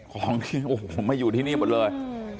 ของที่โอ้โหมาอยู่ที่นี่หมดเลย